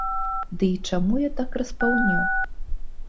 Ды і чаму я так распаўнеў?